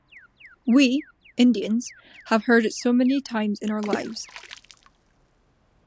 We (Indians) have heard it so many times in our lives.